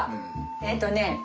えっとね